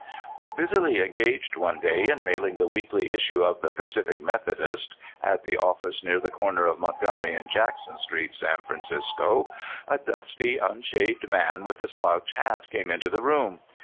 While busily engaged one day in mailing the weekly issue of the Pacific Methodist^ at the office near the corner of Montgomery and Jackson Streets, San Francisco, a dusty, unshaved man with a slouch hat came into the room.